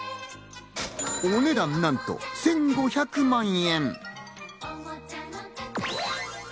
お値段、何と１５００万円！